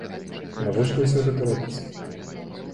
Навошта ўсё гэта робіцца?